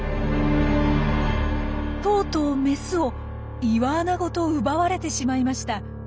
とうとうメスを岩穴ごと奪われてしまいました。